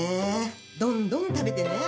どんどん食べてね。